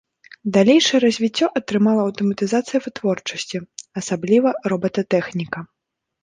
Далейшае развіццё атрымала аўтаматызацыя вытворчасці, асабліва робататэхніка.